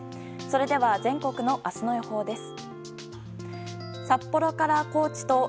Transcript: それでは全国の明日の予報です。